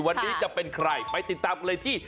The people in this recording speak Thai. วันนี้จะเป็นใครไปติดตามกันเลยที่